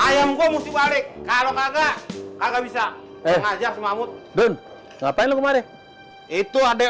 ayam gua musti balik kalau kagak kagak bisa ngajak semamut bun ngapain lu kemarin itu adek